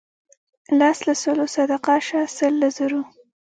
لس له سلو صدقه شه سل له زرو.